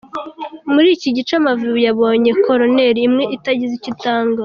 Muri iki gice Amavubi yabonye koroneri imwe itagize icyo itanga.